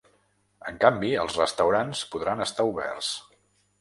En canvi els restaurants podran estar oberts.